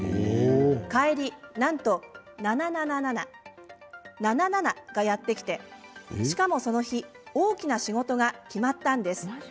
帰り、なんと７７７、７７がやって来てしかもその日大きな仕事が決まったんです！